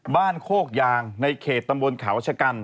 บ้านโคกยางในเขตตำบลขาวชกัน